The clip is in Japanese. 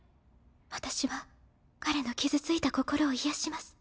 私は彼の傷ついた心を癒やします。